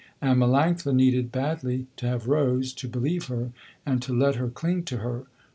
And Melanctha needed badly to have Rose, to believe her, and to let her cling to her.